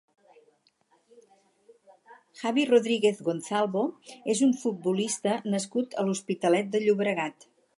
Javi Rodríguez Gonzalvo és un futbolista nascut a l'Hospitalet de Llobregat.